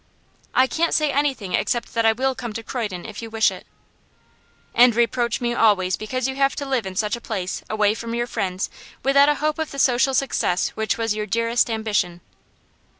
'I can't say anything except that I will come to Croydon if you wish it.' 'And reproach me always because you have to live in such a place, away from your friends, without a hope of the social success which was your dearest ambition?